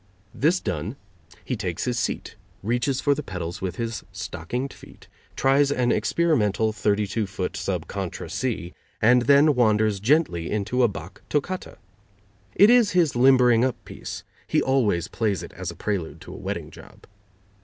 This done, he takes his seat, reaches for the pedals with his stockinged feet, tries an experimental 32 foot CCC, and then wanders gently into a Bach toccata. It is his limbering up piece: he always plays it as a prelude to a wedding job.